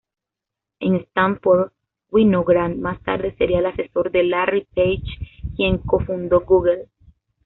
En Stanford, Winograd más tarde sería el asesor de Larry Page, quien co-fundó Google.